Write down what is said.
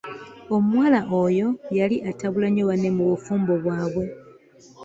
Omuwala oyo yali atabula nnyo banne mu bufumbo bwabwe.